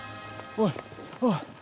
おい。